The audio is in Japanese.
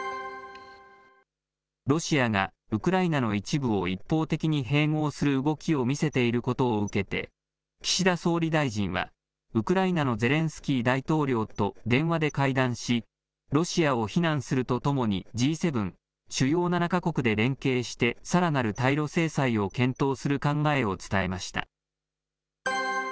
ロシアがウクライナの一部を一方的に併合する動きを見せていることを受けて、岸田総理大臣は、ウクライナのゼレンスキー大統領と電話で会談し、ロシアを非難するとともに、Ｇ７・主要７か国で連携してさらなる対ロ制裁を検討する考えを伝えました。